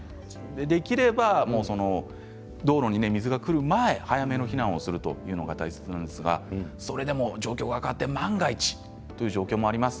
できれば道路に水がくる前に早めの避難をするということが大切なんですがそれでも状況が変わって万が一という状況もあります。